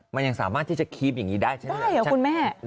มันยังสามารถที่จะคลิปอย่างงี้ได้ได้อ้ะคุณแม่